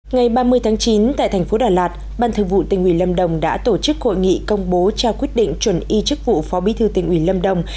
ngày ba mươi tháng chín tại thành phố đà lạt ban thường vụ tỉnh ủy lâm đồng đã tổ chức hội nghị công bố trao quyết định chuẩn y chức vụ phó bí thư tỉnh ủy lâm đồng